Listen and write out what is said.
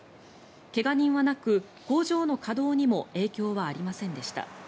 怪我人はなく、工場の稼働にも影響はありませんでした。